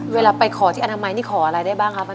เวลาไปขอที่อนามัยนี่ขออะไรได้บ้างครับ